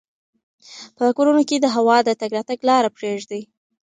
په کورونو کې د هوا د تګ راتګ لاره پریږدئ.